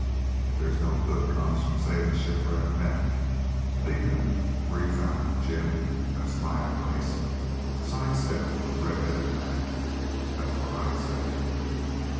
"There's no good comes of savin' shipwrecked men. Leave him where you found him, Jim. That's my advice. Sidestep a redheaded man. That's what I say."